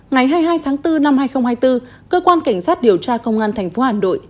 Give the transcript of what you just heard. ngày hai mươi hai tháng bốn năm hai nghìn hai mươi bốn cơ quan cảnh sát điều tra công an tp hà nội